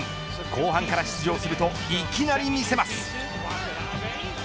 後半から出場するといきなり見せます。